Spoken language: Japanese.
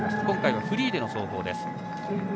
今回はフリーでの走法です。